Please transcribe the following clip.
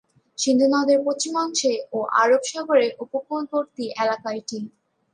সিন্ধু নদের পশ্চিমাংশে ও আরব সাগরের উপকূলবর্তী এলাকা এটি।